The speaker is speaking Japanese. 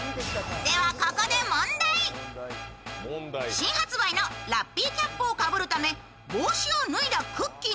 新発売のラッピーキャップをかぶるため、帽子を脱いだくっきー！